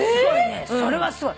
それはすごい。